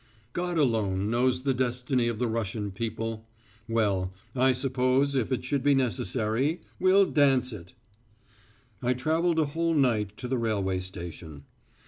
God alone knows the destiny of the Russian people.... Well, I suppose, if it should be necessary, we'll dance it! I travelled a whole night to the railway station.